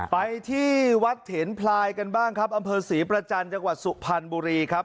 ไปที่วัดเถนพลายกันบ้างครับอำเภอศรีประจันทร์จังหวัดสุพรรณบุรีครับ